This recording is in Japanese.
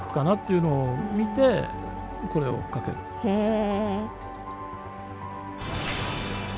へえ。